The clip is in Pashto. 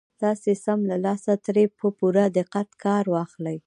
تاسې سم له لاسه ترې په پوره دقت کار واخلئ.